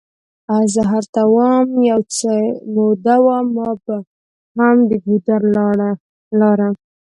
زه هلته یو څه موده وم، ما به هم د ګودر لاره.